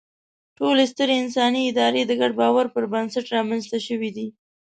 ټولې سترې انساني ادارې د ګډ باور پر بنسټ رامنځ ته شوې دي.